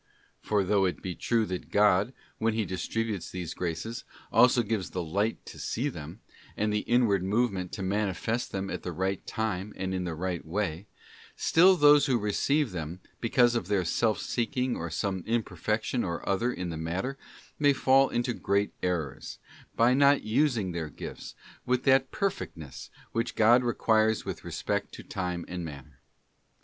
For though it be true that God, when He distributes these graces, gives also the light to see them, and the inward movement to manifest them at the right time and in the right way ; still those who receive them, because of their self seeking or some imperfection or other in the matter, may fall into great errors, by not using their gifts with that per fectness which God requires with respect to time and manner.